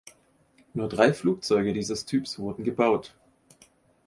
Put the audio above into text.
Nur drei Flugzeuge dieses Typs wurden gebaut.